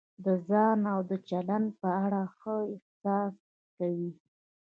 د ځان او چلند په اړه ښه احساس کوئ.